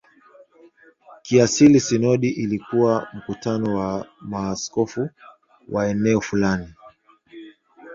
Kiasili sinodi ilikuwa mkutano wa maaskofu wa eneo fulani.